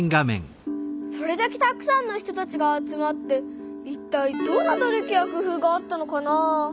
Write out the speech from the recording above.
それだけたくさんの人たちが集まっていったいどんな努力や工夫があったのかなあ？